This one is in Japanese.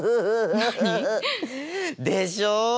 何？でしょう